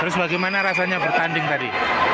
terus bagaimana rasanya bertanding tadi